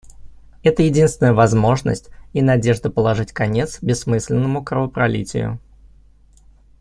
Это единственная возможность и надежда положить конец бессмысленному кровопролитию.